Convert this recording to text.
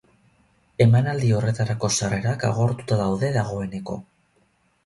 Emanaldi horretarako sarrerak agortuta daude dagoeneko.